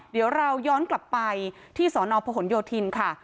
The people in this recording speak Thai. เดี๋ยวเราย้อนกลับไปที่สนพยค่ะ